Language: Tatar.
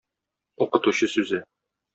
Укытучы сүзе.